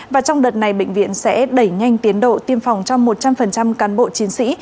và trong đợt này bệnh viện sẽ đẩy nhanh tiến độ tiêm phòng cho một trăm linh cán bộ chiến sĩ